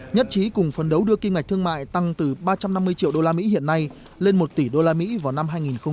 nhất trí cùng phấn đấu đưa kinh ngạch thương mại tăng từ ba trăm năm mươi triệu usd hiện nay lên một tỷ usd vào năm hai nghìn hai mươi